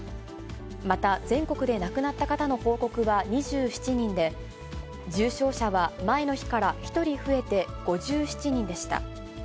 また、全国で亡くなった方の報告は２７人で、重症者は前の日から１人増えて５７人でした。